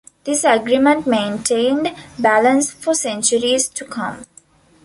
This agreement maintained balance for centuries to come.